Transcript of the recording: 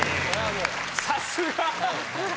さすが。